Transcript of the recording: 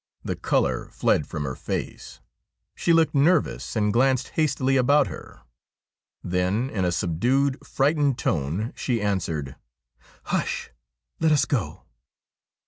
The colour fled from her face ; she looked nervous, and glanced hastily about her. Then in a subdued, frightened tone she answered :' Hush ! let us go.'